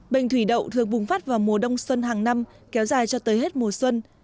bệnh thủy đậu thường bùng phát vào mùa đông xuân hàng năm kéo dài cho tới hết mùa xuân